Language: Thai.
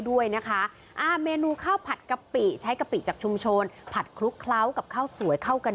ด้วยนะคะอ่าเมนูข้าวผัดกะปิใช้กะปิจากชุมชนผัดคลุกเคล้ากับข้าวสวยเข้ากัน